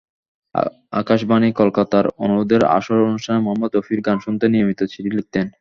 আকাশবাণী কলকাতার অনুরোধের আসর অনুষ্ঠানে মোহাম্মদ রফির গান শুনতে নিয়মিত চিঠি লিখতেন।